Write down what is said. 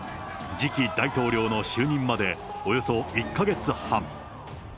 次期大統領の就任までおよそ１か月半。